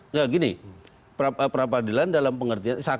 nggak gini peradilan dalam pengertian